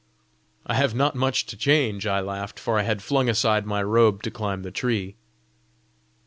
"I have not much to change!" I laughed; for I had flung aside my robe to climb the tree.